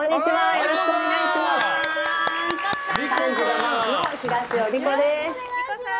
よろしくお願いします。